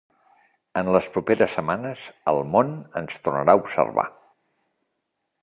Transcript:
En les properes setmanes el món ens tornarà a observar.